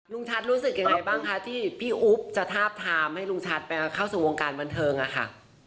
ชัดรู้สึกยังไงบ้างคะที่พี่อุ๊บจะทาบทามให้ลุงชัดไปเข้าสู่วงการบันเทิงอะค่ะ